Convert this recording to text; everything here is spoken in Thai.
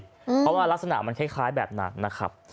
เพราะว่ารักษณะมันคล้ายแบบนั้นนะครับ